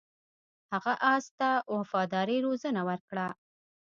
هغه اس ته د وفادارۍ روزنه ورکړه.